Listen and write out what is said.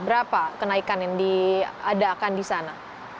berapa kenaikan yang diadakan di sana